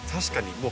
確かに。